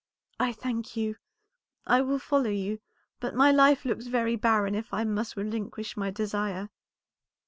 "I thank you, I will follow you, but my life looks very barren if I must relinquish my desire."